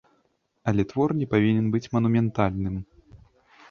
Але твор не павінен быць манументальным.